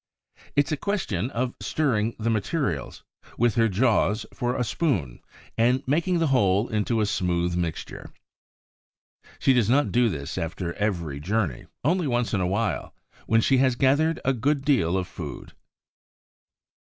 It is a question of stirring the materials, with her jaws for a spoon, and making the whole into a smooth mixture. She does not do this after every journey; only once in a while, when she has gathered a good deal of food.